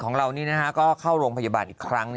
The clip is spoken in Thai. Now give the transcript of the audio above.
ของเรานี่ก็เข้าโรงพยาบาลอีกครั้ง